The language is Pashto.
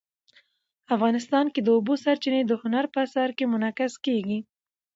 افغانستان کې د اوبو سرچینې د هنر په اثار کې منعکس کېږي.